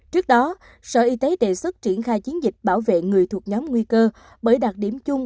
trước đó sở y tế đề xuất triển khai chiến dịch bảo vệ người thuộc nhóm nguy cơ bởi đặc điểm chung